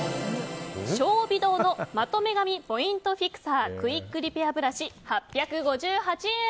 粧美堂のまとめ髪ポイントフィクサークイックリペアブラシ８５８円。